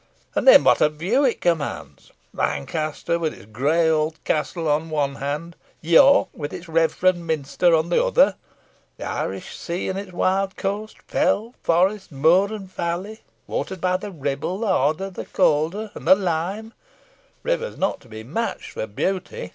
And then what a view it commands! Lancaster with its grey old castle on one hand; York with its reverend minster on the other the Irish Sea and its wild coast fell, forest, moor, and valley, watered by the Ribble, the Hodder, the Calder, and the Lime rivers not to be matched for beauty.